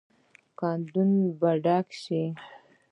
کندوګان به ډک شي.